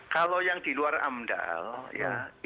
kalau yang di luar amdal ya